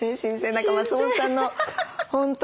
何か松本さんの本当。